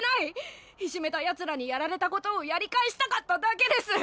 いじめたやつらにやられたことをやり返したかっただけです！